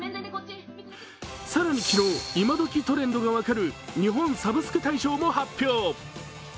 更に昨日、今どきトレンドが分かる日本サブスク大賞も発表。